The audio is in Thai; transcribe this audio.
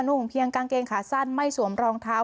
่งเพียงกางเกงขาสั้นไม่สวมรองเท้า